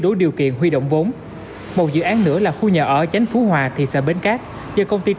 đủ điều kiện huy động vốn một dự án nữa là khu nhà ở chánh phú hòa thị xã bến cát do công ty